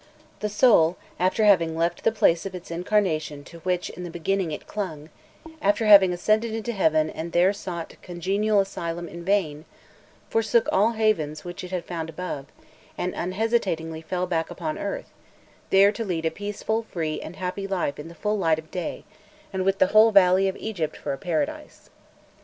The soul, after having left the place of its incarnation to which in the beginning it clung, after having ascended into heaven and there sought congenial asylum in vain, forsook all havens which it had found above, and unhesitatingly fell back upon earth, there to lead a peaceful, free, and happy life in the full light of day, and with the whole valley of Egypt for a paradise.